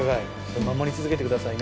守り続けてくださいね。